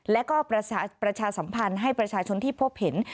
และก็ประชาสัมพันธ์ให้ประชาชนที่พบเห็น